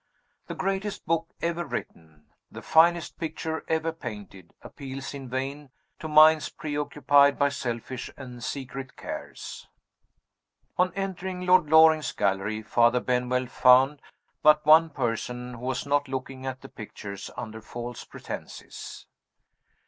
The greatest book ever written, the finest picture ever painted, appeals in vain to minds preoccupied by selfish and secret cares. On entering Lord Loring's gallery, Father Benwell found but one person who was not looking at the pictures under false pretenses.